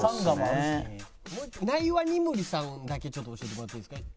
ナイワ・ニムリさんだけちょっと教えてもらっていいですか？